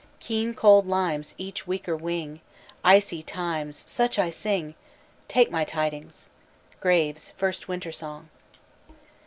"Keen cold limes each weaker wing, Icy times Such I sing! Take my tidings." GRAVES: _First Winter Song.